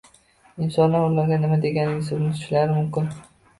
Insonlar ularga nima deganingizni unutishlari mumkin.